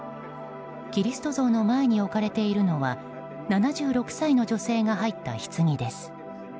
キリスト像の前に置かれているのは７６歳の女性が入ったひつぎです。